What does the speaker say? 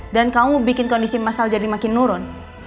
dan kamu bikin kondisi masal jadi makin nurun